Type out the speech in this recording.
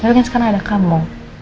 tapi kan sekarang ada kabel